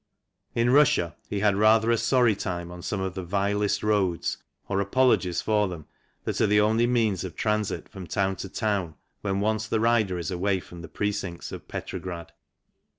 In Russia he had rather a sorry time on some of the vilest roads, or apologies for them, that are the only means of transit from town to town when once the rider is away from the precincts of Petrograd.